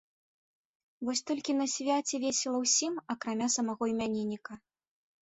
Вось толькі на свяце весела ўсім, акрамя самаго імянінніка.